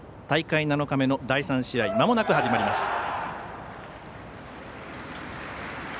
大会７日目の第３試合まもなく始まります。